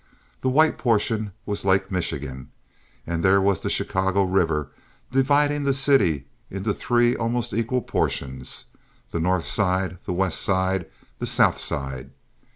That white portion was Lake Michigan, and there was the Chicago River dividing the city into three almost equal portions—the north side, the west side, the south side.